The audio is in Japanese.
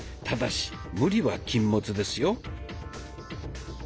ただし無理は禁物ですよ。